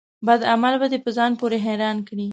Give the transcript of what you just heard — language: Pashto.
بد عمل به دي په ځان پوري حيران کړي